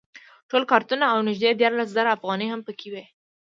ټول کارتونه او نږدې دیارلس زره افغانۍ هم په کې وې.